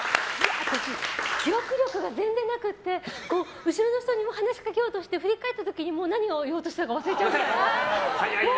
私、記憶力が全然なくて後ろの人に話しかけようとして振り返った時にもう何を言おうとしたか忘れちゃうくらい。